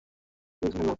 ইংলিশের কী ব্যবস্থা নিব?